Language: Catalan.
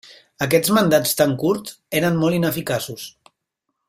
Aquests mandats tan curts eren molt ineficaços.